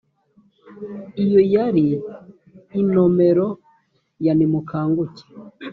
iyo yari inomero ya nimukanguke